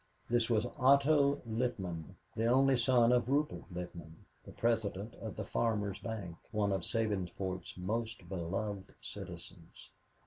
This was Otto Littman, the only son of Rupert Littman, the president of the Farmers' Bank, one of Sabinsport's most beloved citizens.